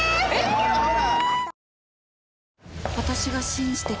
ほらほら！